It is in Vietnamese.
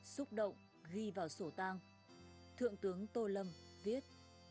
xúc động ghi vào sổ tang thượng tướng tô lâm viết